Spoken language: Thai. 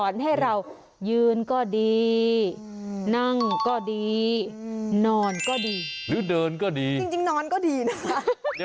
จริงนอนก็ดีหรือเดินก็ดีจริงนอนก็ดีนะคะ